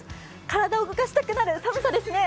体を動かしたくなる寒さですね。